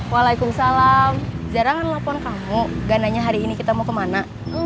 di kecepatan listrik aku davetin chairri duinen speaker